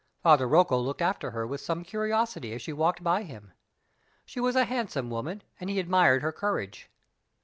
Father Rocco looked after her with some curiosity as she walked by him. She was a handsome woman, and he admired her courage.